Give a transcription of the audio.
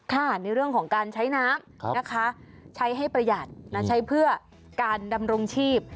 ในเรื่องของการใช้น้ำนะคะใช้ให้ประหยัดใช้เพื่อการดำรงชีพ